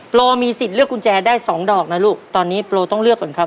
โลมีสิทธิ์เลือกกุญแจได้สองดอกนะลูกตอนนี้โปรต้องเลือกก่อนครับ